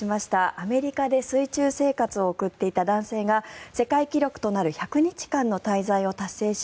アメリカで水中生活を送っていた男性が世界記録となる１００日間の滞在を達成し